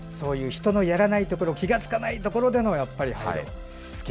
人のやらないところ気付かないところで。